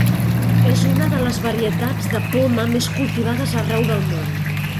És una de les varietats de poma més cultivades arreu del món.